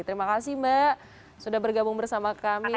terima kasih mbak sudah bergabung bersama kami